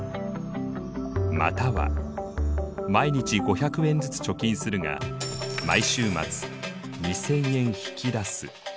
または毎日５００円ずつ貯金するが毎週末２０００円引き出す。